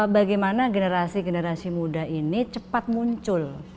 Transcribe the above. bagaimana generasi generasi muda ini cepat muncul